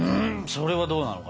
それはどうなのかな？